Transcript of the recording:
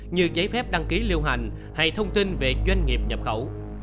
như giấy phép đăng ký lưu hành hay thông tin về doanh nghiệp nhập khẩu